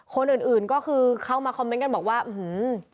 คนอื่นอื่นก็คือเข้ามาคอมเมนต์กันบอกว่าอื้อหือ